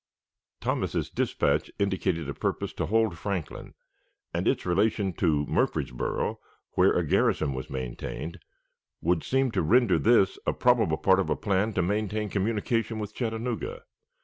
Thomas's dispatch indicated a purpose to hold Franklin; and its relation to Murfreesboro, where a garrison was maintained, would seem to render this a probable part of a plan to maintain communication with Chattanooga.